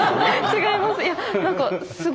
違います